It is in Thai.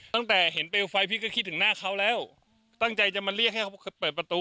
ตั้งแต่เห็นเปลวไฟพี่ก็คิดถึงหน้าเขาแล้วตั้งใจจะมาเรียกให้เขาเปิดประตู